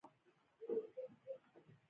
چې د افغان وطن هويت او عزت وساتي.